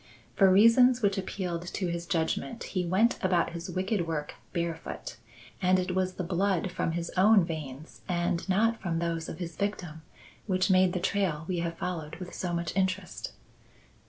For reasons which appealed to his judgment, he went about his wicked work barefoot; and it was the blood from his own veins and not from those of his victim which made the trail we have followed with so much interest.